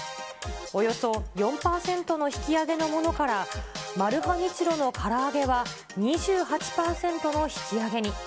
およそ４％の引き上げのものからマルハニチロのから揚げは、２８％の引き上げに。